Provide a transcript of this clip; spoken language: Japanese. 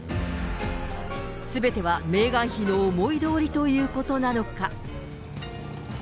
すべてはメーガン妃の思いどおりということなのか。